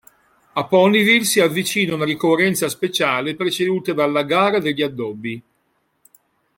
A PonyVille si avvicina una ricorrenza speciale preceduta dalla "Gara degli Addobbi".